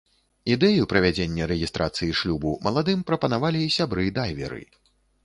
Ідэю правядзення рэгістрацыі шлюбу маладым прапанавалі сябры-дайверы.